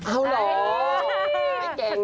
หล่อไม่เก่งนะ